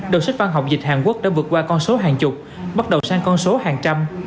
đường sách văn học dịch hàn quốc đã vượt qua con số hàng chục bắt đầu sang con số hàng trăm